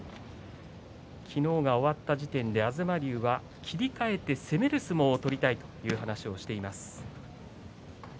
昨日が終わった時点で東龍は切り替えて攻める相撲を取りたいという話をしています。